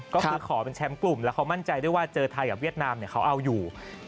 ก็คือขอเป็นแชมป์กลุ่มแล้วเขามั่นใจด้วยว่าเจอไทยกับเวียดนามเขาเอาอยู่